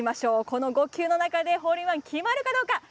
この５球の中でホールインワンが決まるかどうか。